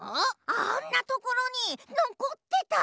あんなところにのこってた！